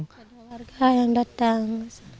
ada warga yang datang